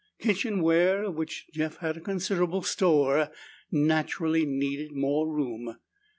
Kitchen ware, of which Jeff had a considerable store, naturally needed more room.